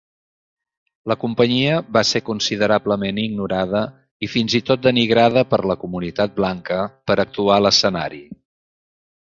La companyia va ser considerablement ignorada i fins i tot denigrada per la comunitat blanca per actuar a l'escenari.